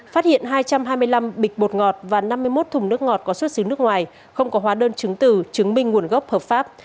phát hiện hai trăm hai mươi năm bịch bột ngọt và năm mươi một thùng nước ngọt có xuất xứ nước ngoài không có hóa đơn chứng tử chứng minh nguồn gốc hợp pháp